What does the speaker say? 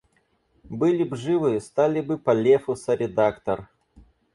Были б живы — стали бы по Лефу соредактор.